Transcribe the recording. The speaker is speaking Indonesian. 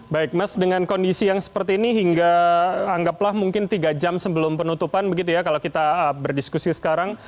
baik mas dengan kondisi yang seperti ini hingga anggaplah mungkin tiga jam sebelum penutupan begitu ya kalau kita berdiskusi sekarang